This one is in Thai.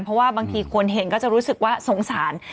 เพราะว่าบางทีคนเห็นก็จะรู้สึกว่าสงสาร